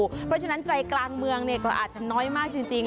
เพราะฉะนั้นใจกลางเมืองก็อาจจะน้อยมากจริง